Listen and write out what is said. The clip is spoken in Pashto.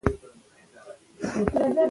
تنبلي پریږدئ.